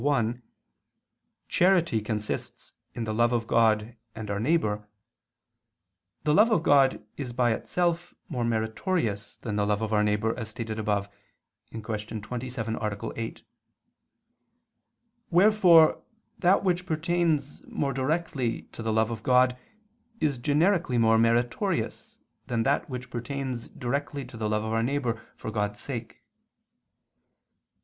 1), charity consists in the love of God and our neighbor, the love of God is by itself more meritorious than the love of our neighbor, as stated above (Q. 27, A. 8). Wherefore that which pertains more directly to the love of God is generically more meritorious than that which pertains directly to the love of our neighbor for God's sake.